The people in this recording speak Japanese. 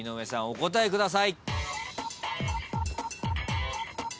お答えください。